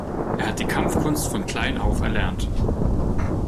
Er hat die Kampfkunst von klein auf erlernt.